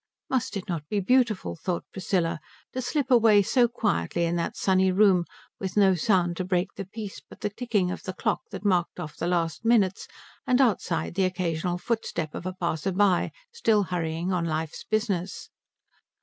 Must it not be beautiful, thought Priscilla, to slip away so quietly in that sunny room, with no sound to break the peace but the ticking of the clock that marked off the last minutes, and outside the occasional footstep of a passer by still hurrying on life's business?